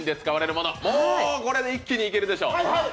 もうこれで一気にいけるでしょう。